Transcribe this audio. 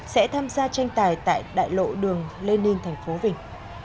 sẽ tham gia tranh tài tại đại lộ đường lê ninh thành phố vinh